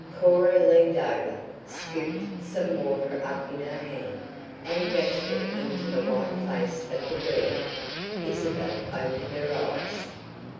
Cora leaned over, scooped some water up in her hand, and dashed it into the white face of the girl. Isabel opened her eyes.